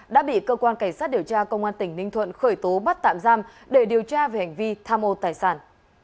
đã bị cơ quan cảnh sát điều tra công an tỉnh ninh thuận khởi tố bắt tạm giam để điều tra về hành vi tham ô tài sản